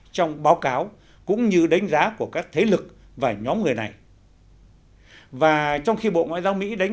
trong báo cáo cũng như đánh giá của các thế lực và nhóm người này và trong khi bộ ngoại giao mỹ đánh